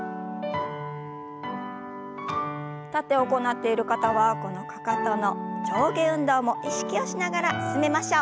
立って行っている方はこのかかとの上下運動も意識をしながら進めましょう。